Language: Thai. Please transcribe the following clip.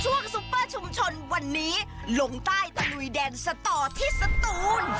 ซุปเปอร์ชุมชนวันนี้ลงใต้ตะลุยแดนสต่อที่สตูน